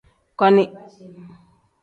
Koni.